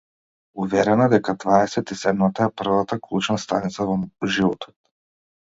Уверена дека дваесет и седмата е првата клучна станица во животот.